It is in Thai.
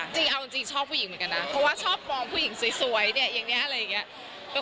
จริงเอาจริงชอบผู้หญิงเหมือนกันนะเพราะว่าชอบมองผู้หญิงสวยเนี่ยอย่างนี้อะไรอย่างนี้